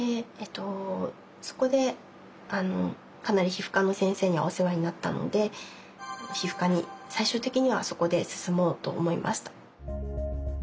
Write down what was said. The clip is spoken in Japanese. そこでかなり皮膚科の先生にはお世話になったので皮膚科に最終的にはそこで進もうと思いました。